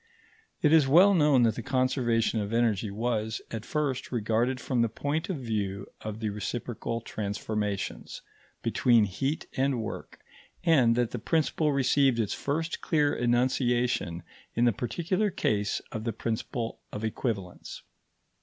It is well known that the conservation of energy was, at first, regarded from the point of view of the reciprocal transformations between heat and work, and that the principle received its first clear enunciation in the particular case of the principle of equivalence.